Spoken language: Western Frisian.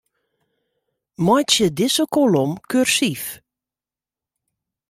Meitsje dizze kolom kursyf.